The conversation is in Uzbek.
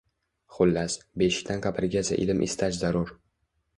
Xullas, beshikdan qabrgacha ilm istash zarur